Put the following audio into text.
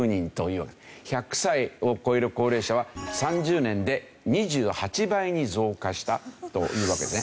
１００歳を超える高齢者は３０年で２８倍に増加したというわけですね。